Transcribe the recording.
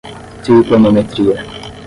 trigonometria